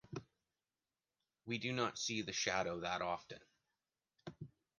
We do not see the shadow that often.